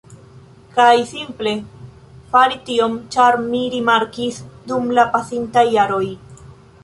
Kaj simple fari tion, ĉar mi rimarkis dum la pasintaj jaroj